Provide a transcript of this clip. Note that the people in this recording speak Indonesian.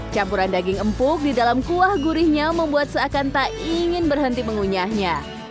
campuran daging empuk di dalam kuah gurihnya membuat seakan tak ingin berhenti mengunyahnya